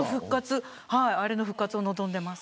あれの復活を望んでいます。